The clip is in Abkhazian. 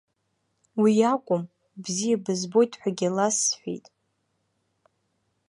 Уи акәым, бзиа бызбоит ҳәагьы ласҳәеит.